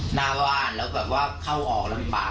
หน้าประวัติแล้วเข้าออกลำบาก